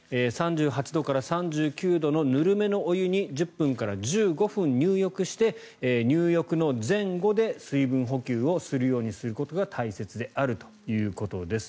３８度から３９度のぬるめのお湯に１０分から１５分入浴して入浴の前後で水分補給をするようにすることが大切だということです。